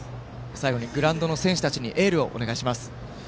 最後にグラウンドの選手たちにエールをお願いします。